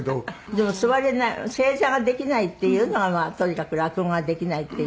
でも座れない正座ができないっていうのがまあとにかく落語ができないっていう事で。